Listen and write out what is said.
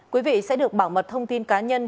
quý vị sẽ được bảo mật thông tin cá nhân